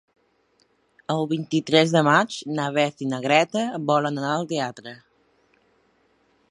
El vint-i-tres de maig na Beth i na Greta volen anar al teatre.